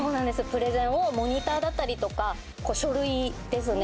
プレゼンをモニターだったりとか書類ですね